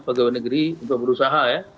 pegawai negeri untuk berusaha ya